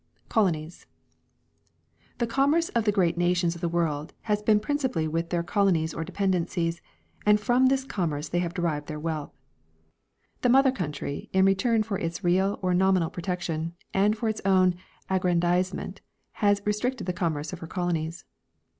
Colonies. , The commerce of the great nations of the world has been princi pally with their colonies or dependencies, and from this com merce they have derived their wealth. The mother country in return for its real or nominal protection, and for its own aggran dizement, has restricted the commerce of her colonies.